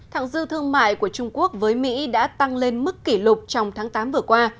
thẳng dư thương mại của trung quốc với mỹ đã tăng lên mức kỷ lục trong tháng tám vừa qua